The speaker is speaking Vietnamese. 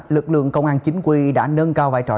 lực lượng công an chính quy đã nâng cao vai trò